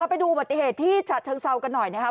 ไปดูอุบัติเหตุที่ฉะเชิงเซากันหน่อยนะครับ